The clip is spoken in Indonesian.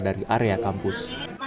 dari area kampus